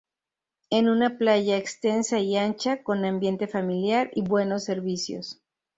Es una playa extensa y ancha, con ambiente familiar y buenos servicios.